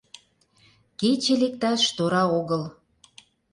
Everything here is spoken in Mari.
Кече лекташ тора огыл.